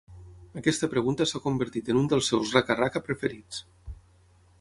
Aquesta pregunta s’ha convertit en un dels seus raca-raca preferits.